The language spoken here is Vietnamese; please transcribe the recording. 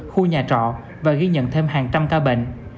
khu nhà trọ và ghi nhận thêm hàng trăm ca bệnh